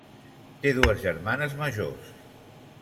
Té dues germanes majors.